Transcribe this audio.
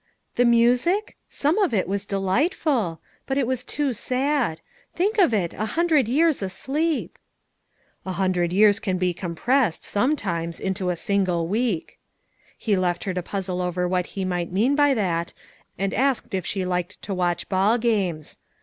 "The music? Some of it was delightful; but it was too sad. Think of it, — a hundred years asleep!" "A hundred years can be compressed, some times, into a single week." He left her to puzzle over what he might mean by that, and asked if she liked to watch ball games.